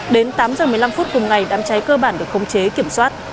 đến tám h một mươi năm phút cùng ngày đám cháy cơ bản được khống chế kiểm soát